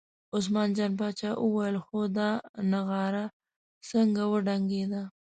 عثمان جان پاچا وویل هو دا نغاره څنګه وډنګېده.